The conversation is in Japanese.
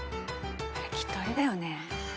きっとあれだよね。